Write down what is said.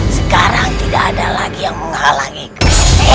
sekarang tidak ada lagi yang menghalangi aku